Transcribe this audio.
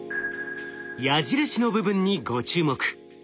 矢印の部分にご注目。